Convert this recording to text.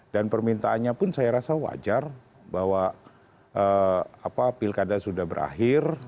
dan permintaannya pun saya rasa wajar bahwa pilkada sudah berakhir